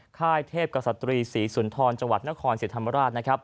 ค่ายเทพกษัตรีศรีสุนทรจังหวัดนครศรีธรรมราชนะครับ